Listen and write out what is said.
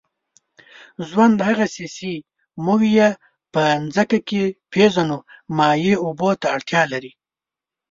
ژوند، هغسې چې موږ یې په مځکه کې پېژنو، مایع اوبو ته اړتیا لري.